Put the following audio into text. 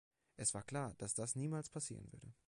Es war klar, dass das niemals passieren würde.